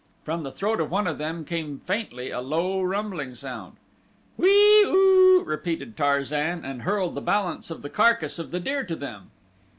From the throat of one of them came faintly a low rumbling sound. "Whee oo!" repeated Tarzan and hurled the balance of the carcass of the deer to them.